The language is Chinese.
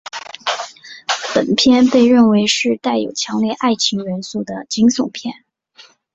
本片被认为是带有强烈爱情元素的惊悚片。